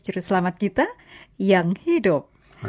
jeru selamat kita yang hidup